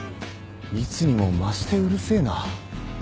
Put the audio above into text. いつにも増してうるせえな。